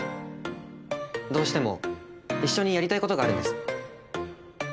どうしても一緒にやりたいことがあるんです。